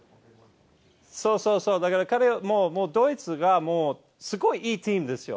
そうそうそう、だから、彼はもうドイツがすごいいいチームですよ。